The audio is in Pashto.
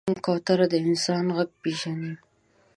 کوتره د انسان غږ پېژني.